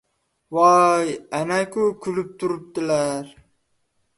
— Voy, ana-ku! Kulib turibdilar.